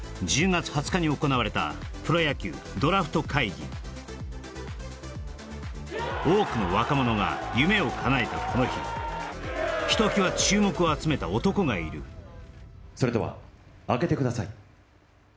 １０月２０日に行われたプロ野球ドラフト会議多くの若者が夢をかなえたこの日ひときわ注目を集めた男がいるそれでは開けてください